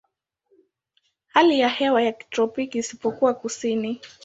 Hali ya hewa ni ya kitropiki isipokuwa kusini.